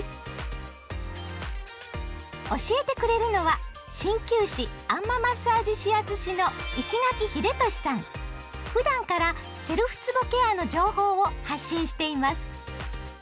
教えてくれるのは鍼灸師あん摩マッサージ指圧師のふだんからセルフつぼケアの情報を発信しています。